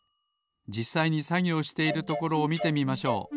じっさいにさぎょうしているところをみてみましょう。